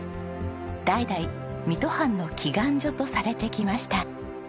代々水戸藩の祈願所とされてきました。